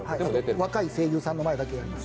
若い声優さんの前でだけやります。